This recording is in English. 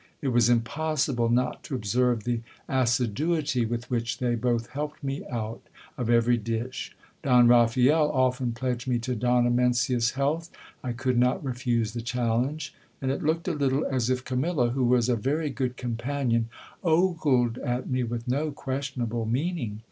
It was impossible not to observe the assiduity with which they both helped me out of every dish. Don Raphael often pledged me to Donna Mencia's health. I could not refuse the challenge ; and it locked a little as if Camilla, who was a very good companion, ogled at me with no questionable meaning.